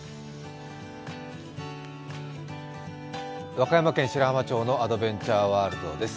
和歌山県白浜町のアドベンチャーワールドです。